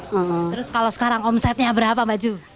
terus kalau sekarang omsetnya berapa mbak ju